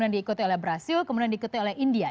dikutin oleh brazil kemudian diikuti oleh india